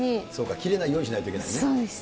切れないようにしないといけそうですね。